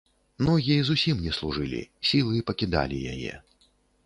Ногі зусім не служылі, сілы пакідалі яе.